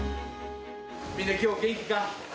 みんな、きょう、元気か？